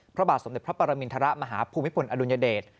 พระบาทสมเด็จพระปรมินทรมาฮภูมิพลอดุลยเดช